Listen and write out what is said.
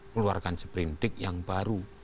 keluarkan seberindik yang baru